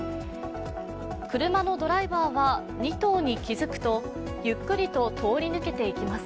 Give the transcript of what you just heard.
車のドライバーは２頭に気付くとゆっくりと通り抜けていきます。